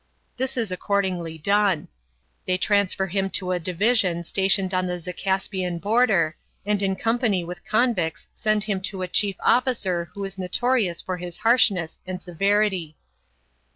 This is accordingly done. They transfer him to a division stationed on the Zacaspian border, and in company with convicts send him to a chief officer who is notorious for his harshness and severity.